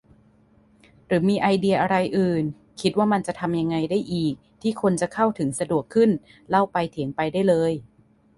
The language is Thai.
หรือมีไอเดียอะไรอื่น คิดว่ามันทำยังไงได้อีก ที่คนจะเข้าถึงสะดวกขึ้น เล่าไปเถียงไปได้เลย